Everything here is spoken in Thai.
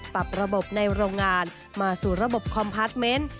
ปรับระบบในโรงงานมาสู่ระบบคอมพาร์ทเมนต์